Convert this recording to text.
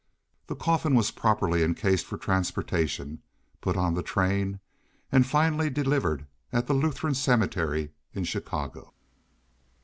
The coffin was properly incased for transportation, put on the train, and finally delivered at the Lutheran cemetery in Chicago.